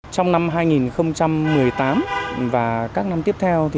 trong năm hai nghìn một mươi tám và các năm tiếp theo